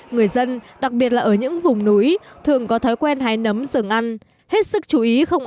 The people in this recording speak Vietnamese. người dân đặc biệt là ở những vùng núi thường có thói quen hái nấm rừng ăn hết sức chú ý không